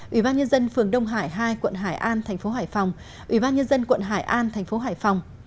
ủy ban nhân dân phường đông hải hai quận hải an tp hcm ủy ban nhân dân quận hải an tp hcm